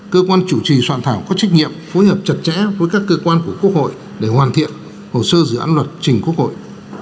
cơ quan chủ trì soạn thảo có trách nhiệm phối hợp chặt chẽ với các cơ quan của quốc hội để hoàn thiện hồ sơ dự án luật trình quốc hội